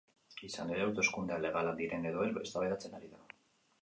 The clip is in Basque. Izan ere, hauteskundeak legalak diren edo ez eztabaidatzen ari da.